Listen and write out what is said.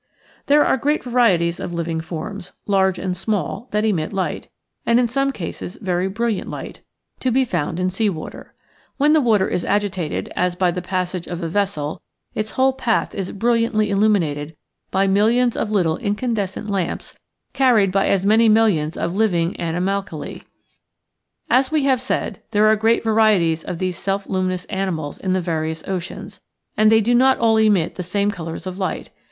There are great varieties of living forms, large and small, that emit light, and in some cases very brilliant light, to be found in sea / i . Original from UNIVERSITY OF WISCONSIN 208 future's Afraclee. water. When the water is agitated, as by the passage of a vessel, its whole path is brilliantly illuminated by millions of little incandescent lamps carried by as many millions of living animalcule. As we have said, there are great varieties of these self luminous animals in the various oceans, and they do not all emit the same colors of light.